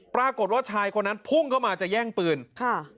ปรากฏว่าชายคนนั้นพุ่งเข้ามาจะแย่งปืนค่ะ